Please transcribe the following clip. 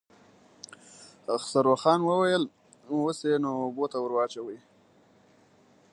خسرو خان وويل: اوس يې نو اوبو ته ور واچوئ.